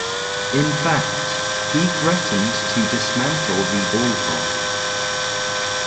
In fact, he threatened to dismantle the ballpark.